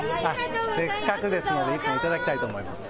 せっかくですので、１本頂きたいと思います。